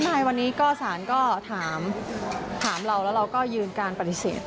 ใช่วันนี้ก็สารก็ถามเราแล้วเราก็ยืนการปฏิเสธ